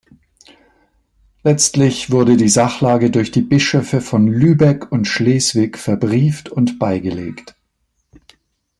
Letztlich wurde die Sachlage durch die Bischöfe von Lübeck und Schleswig verbrieft und beigelegt.